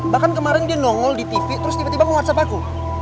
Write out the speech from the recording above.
bahkan kemarin dia nongol di tv terus tiba tiba ke whatsapp aku